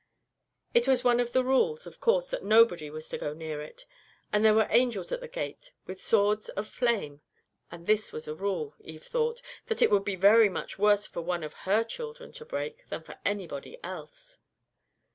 It was one of the rules, of course, that nobody was to go near it, and there were angels at the gate with swords of flame; and this was a rule, Eve thought, that it would be very much worse for one of her children to break than for anybody else.